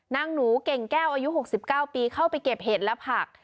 นางหนูเก่งแก้วอายุ๖๙ปีเข้าไปเก็บเห็ดและผัก